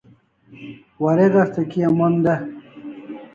Warek asta kia mon de